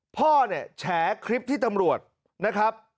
พ่อเนี่ยแฉคลิปที่ตำรวจนะครับ